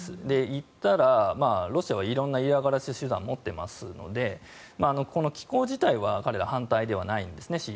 言ったら、ロシアは色んな嫌がらせ手段を持っていますのでこの機構自体は彼らは反対ではないんですね。